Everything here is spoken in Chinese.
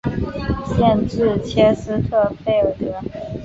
县治切斯特菲尔德。